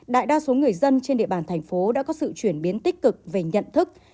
đại đa số người dân trên địa bàn thành phố đã có sự chuyển biến tích cực về nhận thức